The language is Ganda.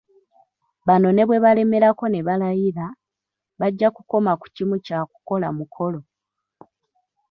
Bano ne bwe balemerako ne balayira, bajja kukoma ku kimu kya kukola mukolo